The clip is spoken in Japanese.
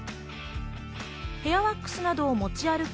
ヘアワックスなどを持ち歩く